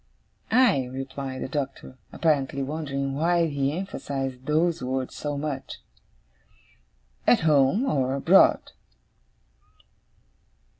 'Aye!' replied the Doctor, apparently wondering why he emphasized those words so much. 'At home or abroad.